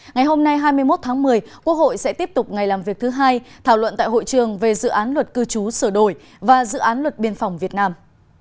ngày hôm nay hai mươi một tháng một mươi quốc hội sẽ tiếp tục ngày làm việc thứ hai thảo luận tại hội trường về dự án luật cư trú sửa đổi và dự án luật biên phòng việt nam